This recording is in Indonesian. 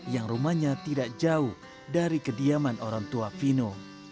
yang rumahnya tidak jauh dari kediaman orang tua vino